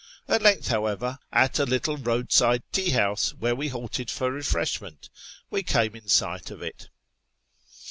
At length, however, at a little roadside tea house, where we halted for refreshment, we came in sight of it.